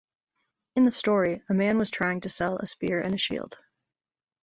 In the story, a man was trying to sell a spear and a shield.